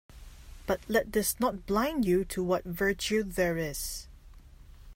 But let this not blind you to what virtue there is